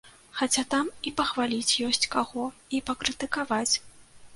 Хаця там і пахваліць ёсць каго, і пакрытыкаваць.